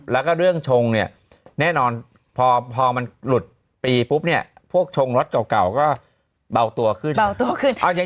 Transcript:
แล้วก็เรื่องชงแน่นอนพอมันหลุดปีปุ๊บพวกชงรถเก่าก็เบาตัวขึ้น